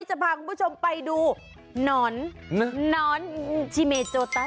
เราจะพาคุณผู้ชมไปดูนอนนอนชิเมจโจตัย